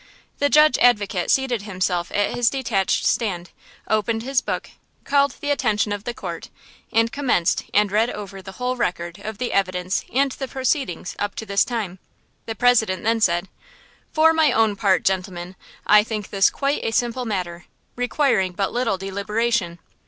The Judge Advocate seated himself at his detached stand, opened his book, called the attention of the court, and commenced and read over the whole record of the evidence and the proceedings up to this time. The President then said: "For my own part, gentlemen, I think this quite a simple matter, requiring but little deliberation.